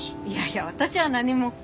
いやいや私は何も。